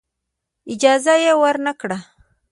اجازه یې ورنه کړه.